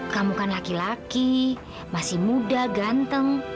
kamu kan laki laki masih muda ganteng